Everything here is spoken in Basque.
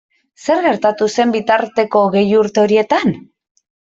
Zer gertatu zen bitarteko hogei urte horietan?